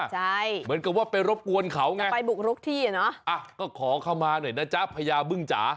ใช่เหมือนกับว่าไปรบกวนเขาไงอ่ะก็ขอเข้ามาหน่อยนะจ๊ะพญาเบิ้งจ๋า